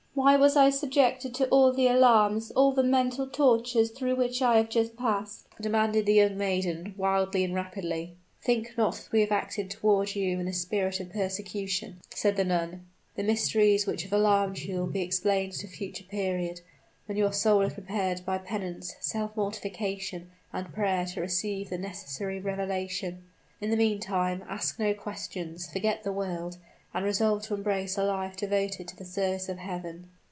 why was I subjected to all the alarms all the mental tortures through which I have just passed?" demanded the young maiden, wildly and rapidly. "Think not that we have acted toward you in a spirit of persecution," said the nun. "The mysteries which have alarmed you will be explained at a future period, when your soul is prepared by penance, self mortification, and prayer to receive the necessary revelation. In the meantime, ask no questions, forget the world, and resolve to embrace a life devoted to the service of Heaven."